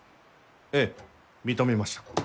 ええ認めました。